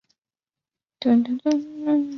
以下是赤道畿内亚的机场列表。